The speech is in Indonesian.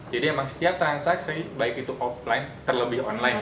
jadi emang setiap transaksi baik itu offline terlebih online